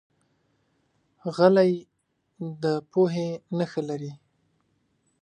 غلی، د پوهې نښه لري.